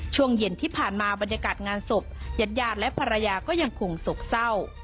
ช่วงเย็นที่ผ่านมาบรรยากาศงานศพญาติญาติและภรรยาก็ยังคงโศกเศร้า